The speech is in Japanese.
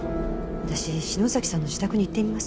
私篠崎さんの自宅に行ってみます。